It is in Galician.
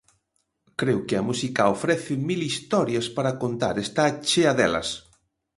Creo que a música ofrece mil historias para contar, está chea delas.